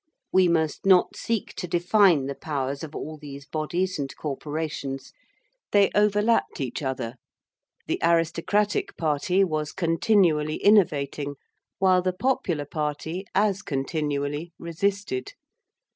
We must not seek to define the powers of all these bodies and corporations. They overlapped each other: the aristocratic party was continually innovating while the popular party as continually resisted.